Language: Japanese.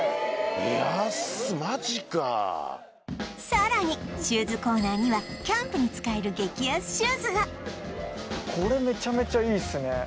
さらにシューズコーナーにはキャンプに使える激安シューズがこれメチャメチャいいっすね